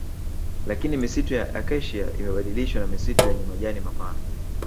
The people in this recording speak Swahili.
Lakini misitu ya Acacia imebadilishwa na misitu yenye majani mapana